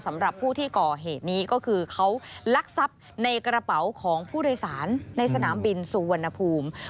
สำหรับผู้ที่ก่อเหตุนี้ก็คือเขาลักทรัพย์ในกระเป๋าของผู้โดยสารในสนามบินสุวรรณภูมิ